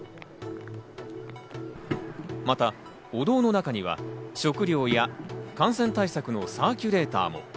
また、お堂の中には食料や感染対策のサーキュレーターも。